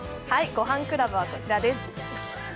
「ごはんクラブ」はこちらです。